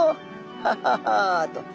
「ハハハ」と。